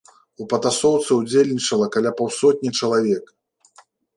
У патасоўцы ўдзельнічала каля паўсотні чалавек.